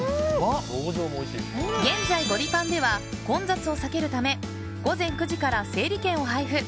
現在ゴディパンでは混雑を避けるため午前９時から整理券を配布。